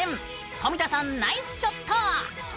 富田さんナイスショット！